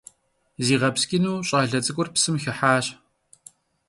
Ziğepsç'ınu ş'ale ts'ık'ur psım xıhaş.